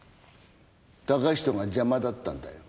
嵩人が邪魔だったんだよ。